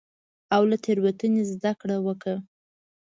او له تېروتنې زدکړه وکړه.